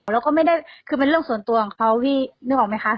แล้วก็ไม่ได้คือเป็นเรื่องส่วนตัวของเขาพี่นึกออกไหมคะ